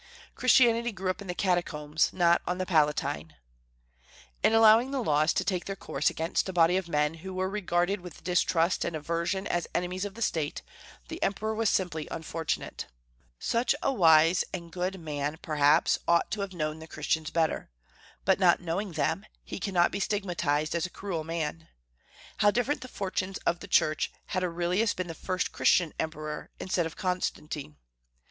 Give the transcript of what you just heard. "Christianity grew up in the Catacombs, not on the Palatine." In allowing the laws to take their course against a body of men who were regarded with distrust and aversion as enemies of the State, the Emperor was simply unfortunate. So wise and good a man, perhaps, ought to have known the Christians better; but, not knowing them, he cannot be stigmatized as a cruel man. How different the fortunes of the Church had Aurelius been the first Christian emperor instead of Constantine!